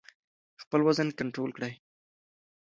خپل وزن کنټرول کړئ.